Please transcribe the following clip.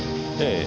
ええ。